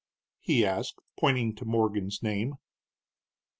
he asked, pointing to Morgan's name.